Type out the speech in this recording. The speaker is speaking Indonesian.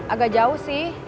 agak jauh sih